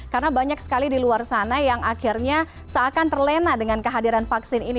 karena banyak sekali di luar sana yang akhirnya seakan terlena dengan kehadiran vaksin ini